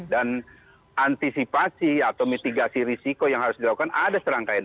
antisipasi atau mitigasi risiko yang harus dilakukan ada serangkaian